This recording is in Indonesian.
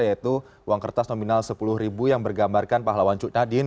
yaitu uang kertas nominal sepuluh ribu yang bergambarkan pahlawan cuknadin